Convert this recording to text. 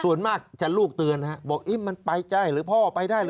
ส่วนมากจะลูกเตือนบอกมันไปใจหรือพ่อไปได้เหรอ